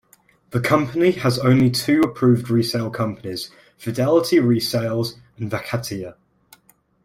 The company has only two approved resale companies, Fidelity Resales and Vacatia.